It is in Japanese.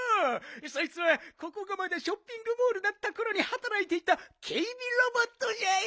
そいつはここがまだショッピングモールだったころにはたらいていたけいびロボットじゃよ。